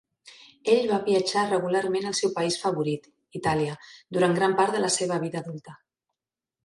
Ell va viatjar regularment al seu país favorit, Itàlia, durant gran part de la seva vida adulta.